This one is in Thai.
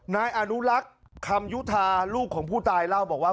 นายอนุรักษ์คำยุธาลูกของผู้ตายเล่าบอกว่า